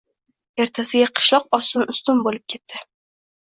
Ertasiga qishloq ostin-ustin bo‘p ketdi.